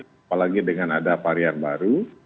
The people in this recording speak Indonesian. apalagi dengan ada varian baru